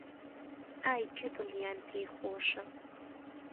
ئای کە دڵیان پێی خۆشە